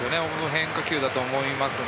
変化球だと思います。